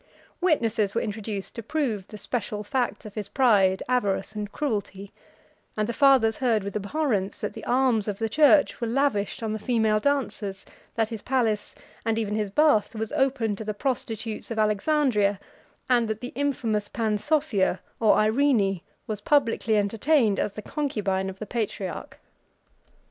Witnesses were introduced to prove the special facts of his pride, avarice, and cruelty; and the fathers heard with abhorrence, that the alms of the church were lavished on the female dancers, that his palace, and even his bath, was open to the prostitutes of Alexandria, and that the infamous Pansophia, or Irene, was publicly entertained as the concubine of the patriarch.